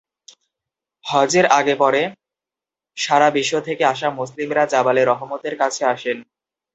হজের আগে-পরে সারা বিশ্ব থেকে আসা মুসলিমরা জাবালে রহমতের কাছে আসেন।